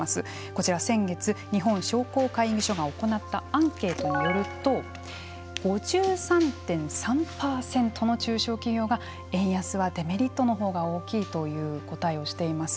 こちら、先月日本商工会議所が行ったアンケートによると５３．３％の中小企業が円安はデメリットのほうが大きいという答えをしています。